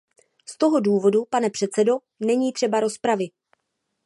Z toho důvodu, pane předsedo, není třeba rozpravy.